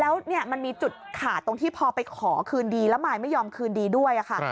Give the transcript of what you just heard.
แล้วเนี่ยมันมีจุดขาดตรงที่พอไปขอคืนดีแล้วมายไม่ยอมคืนดีด้วยค่ะ